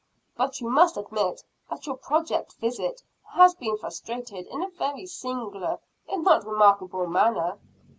"But you must admit that your projected visit has been frustrated in a very singular, if not remarkable manner?"